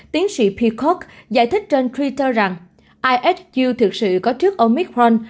tiến sĩ peacock giải thích trên twitter rằng ihu thực sự có trước omicron